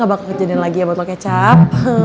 gak bakal kejadian lagi ya botol kecap